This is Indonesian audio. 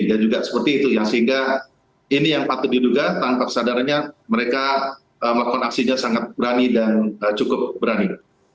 dan juga seperti itu ya sehingga ini yang patut diduga tanpa kesadarannya mereka melakukan aksinya sangat berani dan cukup berani